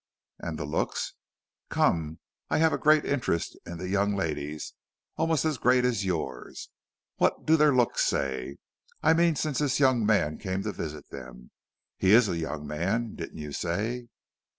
"And the looks? Come, I have a great interest in the young ladies almost as great as yours. What do their looks say? I mean since this young man came to visit them? He is a young man, didn't you say?"